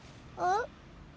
あっ？